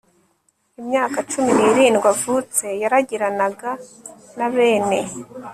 imyaka cumi n irindwi avutse yaragiranaga na bene